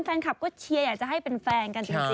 แฟนคลับก็เชียร์อยากจะให้เป็นแฟนกันจริง